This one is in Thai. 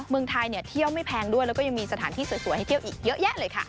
เมืองไทยเที่ยวไม่แพงด้วยแล้วก็ยังมีสถานที่สวยให้เที่ยวอีกเยอะแยะเลยค่ะ